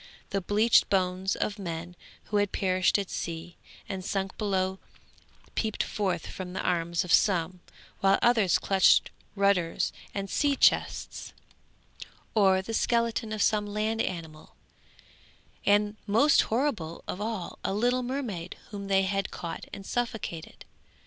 The bleached bones of men who had perished at sea and sunk below peeped forth from the arms of some, while others clutched rudders and sea chests, or the skeleton of some land animal; and most horrible of all, a little mermaid whom they had caught and suffocated.